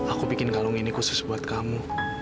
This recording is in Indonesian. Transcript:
aku bikin kalung ini khusus buat kamu